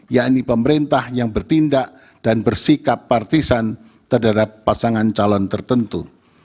yakni pemerintah yang bertindak dan bersikap partisan terhadap pasangan calon tertentu